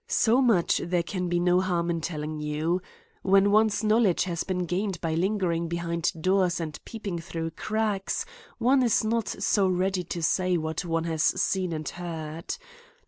So much there can be no harm in telling you. When one's knowledge has been gained by lingering behind doors and peeping through cracks, one is not so ready to say what one has seen and heard.